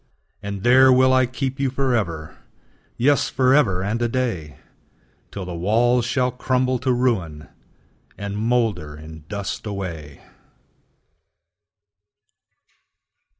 And there will I keep you forever, Yes, forever and a day, Till the walls shall crumble to ruin, And moulder in dust away!